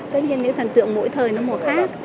tất nhiên nếu thần tượng mỗi thời nó một khác